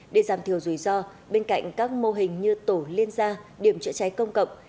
để giảm thiểu rủi ro bên cạnh các mô hình như tổ liên gia điểm chữa cháy công cộng